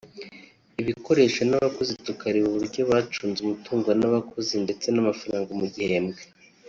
ibikoresho n’abakozi tukareba uburyo bacunze umutungo n’abakozi ndetsen’amafaranga mu gihembwe